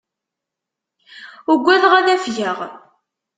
Ugadeɣ ad afgeɣ.